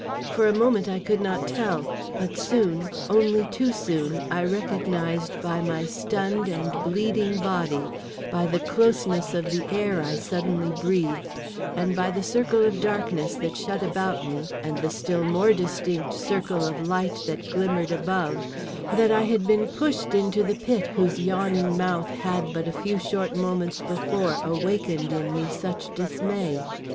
For a moment I could not tell, but soon, only too soon, I recognized by my stunned and bleeding body, by the closeness of the air I suddenly breathed, and by the circle of darkness that shut about me, and the still more distinct circle of light that glimmered above, that I had been pushed into the pit whose yawning mouth had but a few short moments before awakened in me such dismay.